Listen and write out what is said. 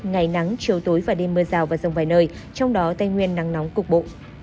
ngày nắng chiều tối và đêm mưa rào và rông vài nơi trong đó tây nguyên nắng nóng cục bộ